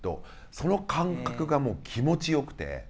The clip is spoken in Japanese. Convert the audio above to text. その感覚がもう気持ちよくて。